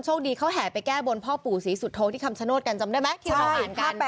คนโชคดีเขาแห่ไปแก้บนพ่อปู่ศรีสุทธงที่คำชะโนธกันจำได้ไหม